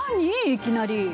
いきなり。